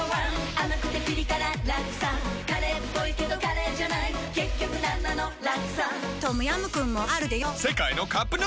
甘くてピリ辛ラクサカレーっぽいけどカレーじゃない結局なんなのラクサトムヤムクンもあるでヨ世界のカップヌードル